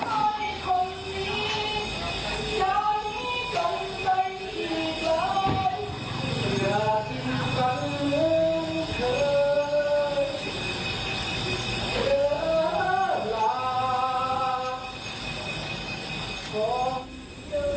แค่ที่เดี๋ยวที่อายุของพี่แล้วเธอ